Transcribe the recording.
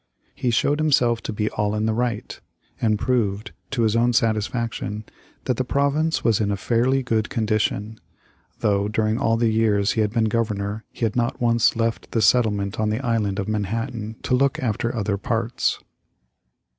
He showed himself to be all in the right, and proved, to his own satisfaction, that the province was in a fairly good condition; though during all the years he had been Governor he had not once left the settlement on the Island of Manhattan to look after other parts.